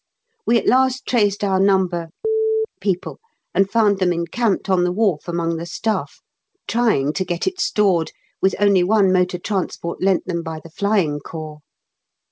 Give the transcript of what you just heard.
We at last traced our No. people and found them encamped on the wharf among the stuff, trying to get it stored with only one motor transport lent them by the Flying Corps.